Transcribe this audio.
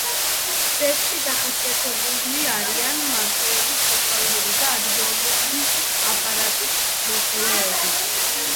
ძეგლში დახასიათებული არიან მმართველობის ცენტრალური და ადგილობრივი აპარატის მოხელეები.